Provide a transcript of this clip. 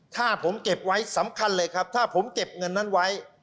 ถ้าผมเก็บไว้สำคัญเลยครับถ้าผมเก็บเงินนั้นไว้